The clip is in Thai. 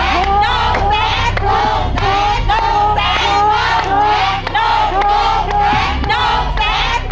หนูแสน